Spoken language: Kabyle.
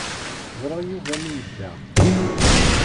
Ẓriɣ Yuba mi yedda.